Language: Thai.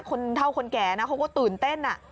คนเท่าคนแก่นะเขาก็ตื่นเต้น